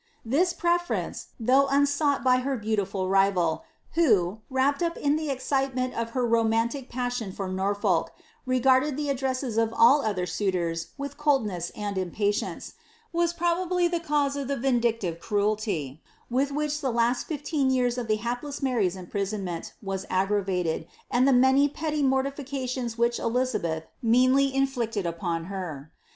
This preference, though unsought by her beau tifal rival, who, wrapped up in the excitement of her romantic passion for Norfolk, regarded the addresses of all other suitors with coldness and impatience, was probably tiie cause of the vindictive cruelty with which the last fifteen years of the hapless Mary's imprisonment was aggravated, and the many petty mortifications which Elizabeth meanly inflicted upon her.